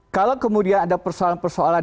kalau kemudian ada persoalan persoalan